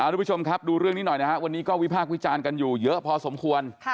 ทุกผู้ชมครับดูเรื่องนี้หน่อยนะครับวันนี้ก็วิพากษ์วิจารณ์กันอยู่เยอะพอสมควร